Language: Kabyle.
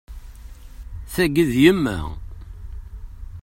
Tagi, d yemma.